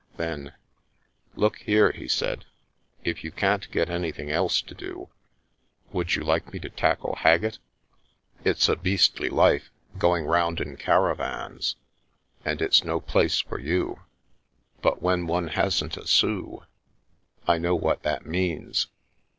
Then: " Look here," he said, " if you can't get anything else to do, would you like me to tackle Haggett? It's a beastly life, going round in caravans, and it's no place for you, but when one hasn't a sou — I know what that means.